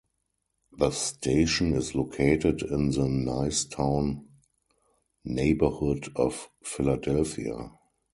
The station is located in the Nicetown neighborhood of Philadelphia.